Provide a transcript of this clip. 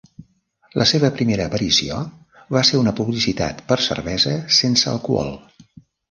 La seva primera aparició va ser una publicitat per cervesa sense alcohol.